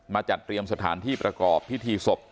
จัดเตรียมสถานที่ประกอบพิธีศพ